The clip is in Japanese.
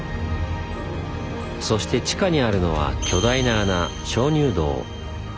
そして地下にあるのは巨大な穴鍾乳洞。